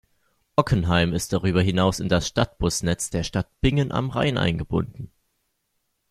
Ockenheim ist darüber hinaus in das Stadtbusnetz der Stadt Bingen am Rhein eingebunden.